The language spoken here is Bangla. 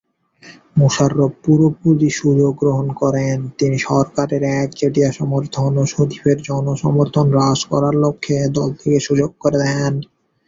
মোশাররফ পুরোপুরি সুযোগ গ্রহণ করেন, তিনি সরকারের একচেটিয়া সমর্থন ও শরীফের জনসমর্থন হ্রাস করার লক্ষ্যে দলটিকে সুযোগ করে দেন।